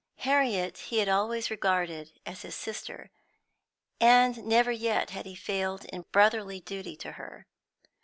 Harriet he had always regarded as his sister, and never yet had he failed in brotherly duty to her.